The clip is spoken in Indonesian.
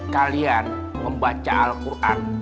kalian membaca al quran